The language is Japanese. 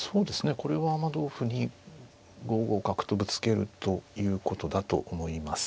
これは同歩に５五角とぶつけるということだと思います。